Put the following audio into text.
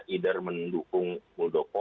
either mendukung buldoko